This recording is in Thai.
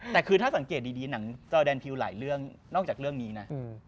แต่คือถ้าสังเกตดีหนังจอแดนพิวหลายเรื่องนอกจากเรื่องนี้นะ